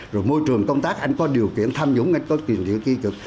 rồi môi trường công tác anh có điều kiện tham dũng anh có điều kiện kỳ cực